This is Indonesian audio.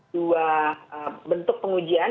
dua bentuk pengujian